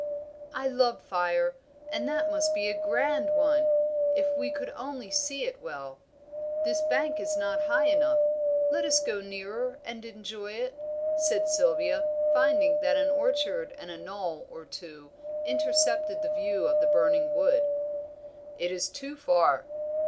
"I love fire, and that must be a grand one, if we could only see it well. This bank is not high enough; let us go nearer and enjoy it," said Sylvia, finding that an orchard and a knoll or two intercepted the view of the burning wood. "It is too far."